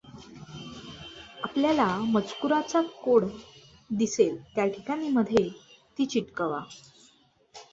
आपल्याला मजकुराचा कोड दिसेल त्या ठिकाणी, मध्ये ती चिटकवा.